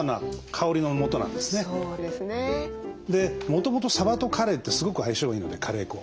もともとさばとカレーってすごく相性がいいのでカレー粉。